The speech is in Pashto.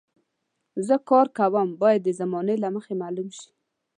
زه کار کوم باید د زمانې له مخې معلوم شي.